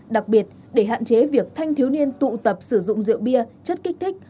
đặc biệt để hạn chế việc thanh thiếu niên tụ tập sử dụng rượu bia chất kích thích